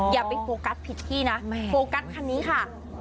อย่าไปโฟกัสผิดที่นะโฟกัสคันนี้ค่ะ